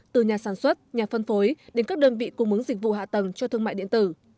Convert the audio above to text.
từ nhà sản xuất nhà phân phối đến các đơn vị cung mứng dịch vụ hạ tầng cho thương mại điện tử